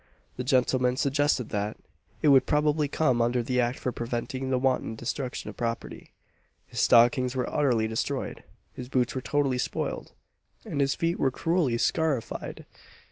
The gentleman suggested that, it would probably come under the Act for preventing the wanton destruction of property. His stockings were utterly destroyed; his boots were totally spoiled; and his feet were cruelly scarified!